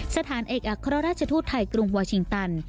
สถานเอกอัครราชทูตไทยกรุงวอร์ชิงตัน